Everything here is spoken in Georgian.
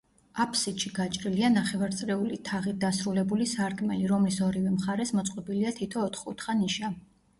აფსიდში გაჭრილია ნახევარწრიული თაღით დასრულებული სარკმელი რომლის ორივე მხარეს მოწყობილია თითო ოთხკუთხა ნიშა.